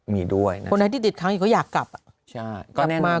มีด้วยคนไหนที่ติดค้างอยู่ก็อยากกลับใช่ก็แน่นอนมา